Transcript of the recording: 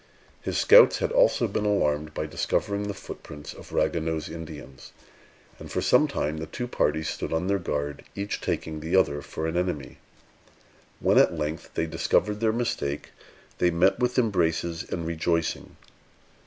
His scouts had also been alarmed by discovering the footprints of Ragueneau's Indians; and for some time the two parties stood on their guard, each taking the other for an enemy. When at length they discovered their mistake, they met with embraces and rejoicing.